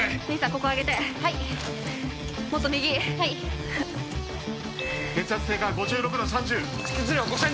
ここ上げてもっと右はい血圧低下５６の３０出血量は５０００です